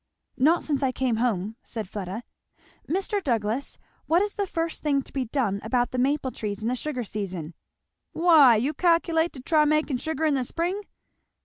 "Not since I came home," said Fleda. "Mr. Douglass, what is the first thing to be done about the maple trees in the sugar season?" "Why, you calculate to try makin' sugar in the spring?"